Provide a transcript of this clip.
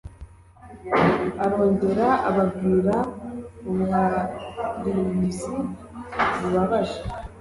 Arongera ababwira ubuhariuzi bubabaje: